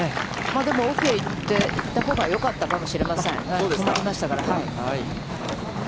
でも奥に行ったほうがよかったかもしれません、止まりましたから。